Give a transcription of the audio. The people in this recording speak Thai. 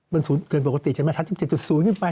มันเกินปกติใช่ไหมทะ๑๗๐ขึ้นไป